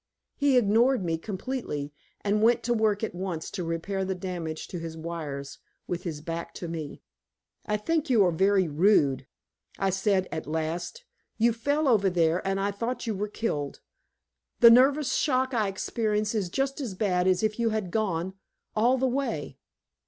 He ignored me completely, and went to work at once to repair the damage to his wires, with his back to me. "I think you are very rude," I said at last. "You fell over there and I thought you were killed. The nervous shock I experienced is just as bad as if you had gone all the way."